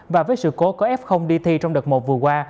và với sự cố có f đi thi trong đợt một vừa qua